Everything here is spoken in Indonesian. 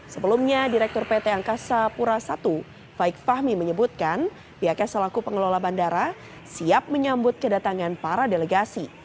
sebelumnya direktur pt angkasa pura i faik fahmi menyebutkan pihaknya selaku pengelola bandara siap menyambut kedatangan para delegasi